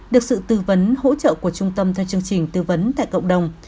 được sự tư vấn hỗ trợ của trung tâm theo chương trình tư vấn tại cộng đồng